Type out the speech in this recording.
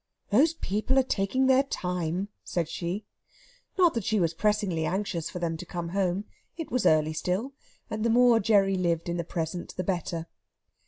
"Those people are taking their time," said she. Not that she was pressingly anxious for them to come home. It was early still, and the more Gerry lived in the present the better.